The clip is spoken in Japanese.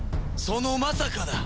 そのまさかだ！